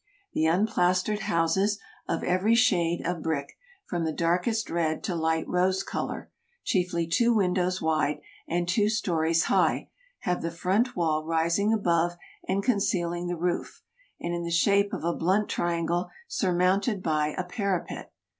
The unplastered houses, of every shade of brick, from the darkest red to light rose color, chiefly two windows wide and two stories high, have the front wall rising above and concealing the roof, and in the shape of a blunt triangle surmounted by a parapet.